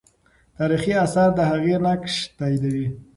تاریخي آثار د هغې نقش تاییدوي.